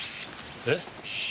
えっ？